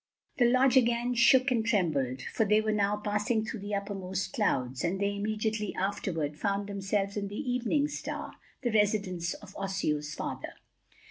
The lodge again shook and trembled, for they were now passing through the uppermost clouds, and they immediately afterward found themselves in the Evening Star, the residence of Osseo's father.